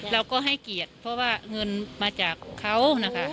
เราก็ให้เกียรติเพราะว่าเงินมาจากเขานะคะ